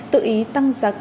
tự ý tăng giá cước